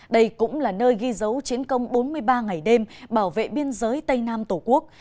đây cũng là nơi ghi dấu chiến công bốn mươi ba ngày đêm bảo vệ biên giới tây nam tổ quốc